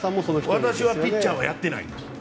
私はピッチャーはやってないんですよね。